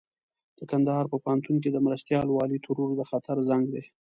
د کندهار په پوهنتون کې د مرستيال والي ترور د خطر زنګ دی.